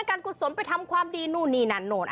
กุศลไปทำความดีนู่นนี่นั่นนู่น